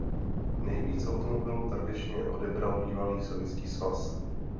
Nejvíc automobilů tradičně odebral bývalý Sovětský svaz.